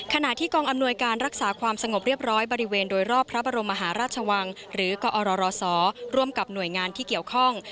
ขณะที่กองอำนวยการรักษาความสงบเรียบร้อยบริเวณโดยรอบพระบรมมหาราชวังหรือกอรศร่วมกับหน่วยงานที่เกี่ยวข้อง